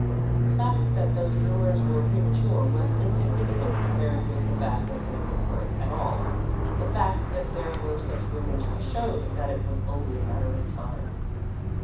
The fact that those rumors were premature was insignificant compared with the fact that they were current at all. The fact that there were such rumors showed that it was only a matter of time.